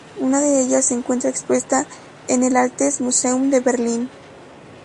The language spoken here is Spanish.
Una de ellas se encuentra expuesta en el Altes Museum de Berlín.